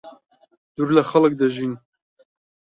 دوور لەخەڵک دەژین.